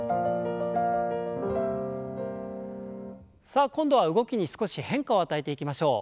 さあ今度は動きに少し変化を与えていきましょう。